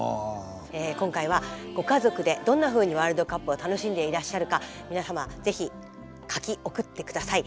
今回は、ご家族でどんなふうにワールドカップを楽しんでいらっしゃるか皆様、ぜひ書き送ってください。